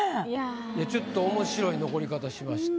いやちょっと面白い残り方しました。